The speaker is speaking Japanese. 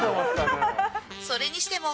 それにしても